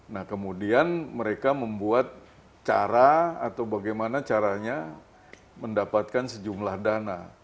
nah kemudian mereka membuat cara atau bagaimana caranya mendapatkan sejumlah dana